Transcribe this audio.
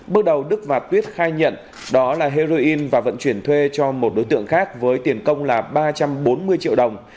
bước đầu đức và tuyết khai nhận đó là heroin và vận chuyển thuê cho một đối tượng khác với tiền công là ba trăm bốn mươi triệu đồng